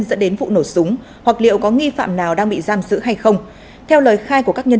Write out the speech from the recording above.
dẫn đến vụ nổ súng hoặc liệu có nghi phạm nào đang bị giam giữ hay không theo lời khai của các nhân